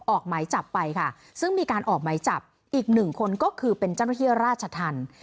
ออกหมายจับไปค่ะซึ่งมีการออกหมายจับอีกหนึ่งคนก็คือเป็นเจ้าหน้าที่ราชธรรม